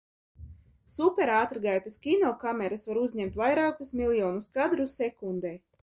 Superātrgaitas kinokameras var uzņemt vairākus miljonus kadru sekundē.